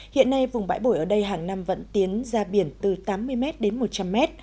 hiện nay vùng bãi bổi ở đây hàng năm vẫn tiến ra biển từ tám mươi m đến một trăm linh m